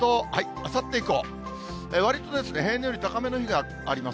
あさって以降、わりと平年より高めの日があります。